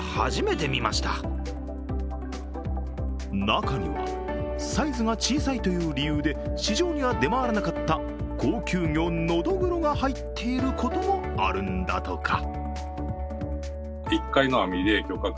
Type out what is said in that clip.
中にはサイズが小さいという理由で市場には出回らなかった高級魚・ノドグロが入っていることもあるんだとか。